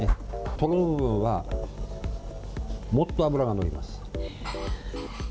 トロの部分は、もっと脂が乗ります。